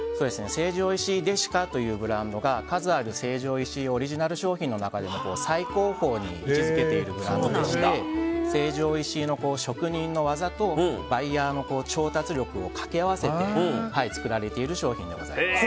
成城石井ｄｅｓｉｃａというブランドが、数ある成城石井のオリジナル商品の中でも最高峰に位置付けているブランドでして成城石井の職人の技とバイヤーの調達力を掛け合わせて作られている商品でございます。